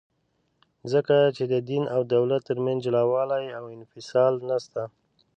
ځکه چي د دین او دولت ترمنځ جلاوالي او انفصال نسته.